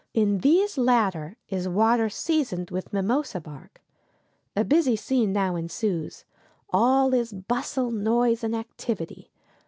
In these latter is water seasoned with mimosa bark. A busy scene now ensues; all is bustle, noise, and activity.